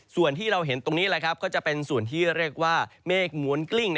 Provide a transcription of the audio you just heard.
ส่วนที่เราเห็นตรงนี้ก็จะเป็นส่วนที่เรียกว่าเมฆม้วนกลิ้ง